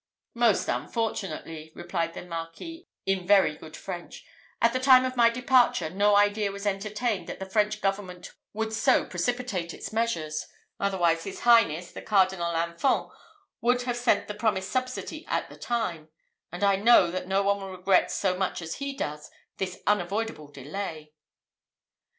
"Most unfortunately," replied the Marquis, in very good French, "at the time of my departure, no idea was entertained that the French government would so precipitate its measures, otherwise his highness, the Cardinal Infant, would have sent the promised subsidy at the time, and I know that no one will regret so much as he does, this unavoidable delay."